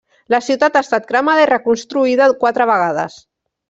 La ciutat ha estat cremada i reconstruïda quatre vegades.